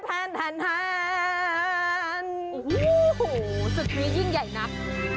ท่านศึกนี้ยิ่งใหญ่นะ